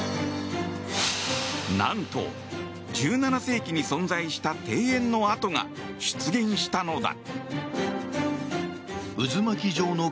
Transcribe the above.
何と、１７世紀に存在した庭園の跡が出現したのだ。